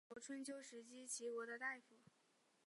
中国春秋时期齐国的大夫。